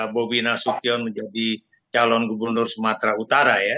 bobi nasution menjadi calon gubernur sumatera utara ya